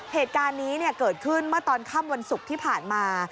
เหตุการณ์นี้เกิดขึ้นเมื่อตอนค่ำวันศุกร์ที่ผ่านมา